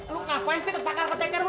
lu ngapain sih ketakan ketekan lu